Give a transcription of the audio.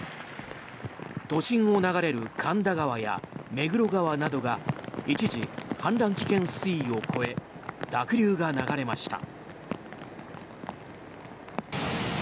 都心を流れる神田川や目黒川などが一時、氾濫危険水位を超え濁流が流れました。